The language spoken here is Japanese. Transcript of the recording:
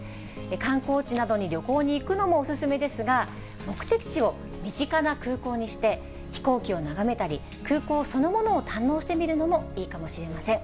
観光地などに旅行に行くのもお勧めですが、目的地を身近な空港にして、飛行機を眺めたり、空港そのものを堪能してみるのもいいかもしれません。